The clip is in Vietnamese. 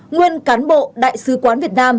nguyên cán bộ đại sứ quán việt nam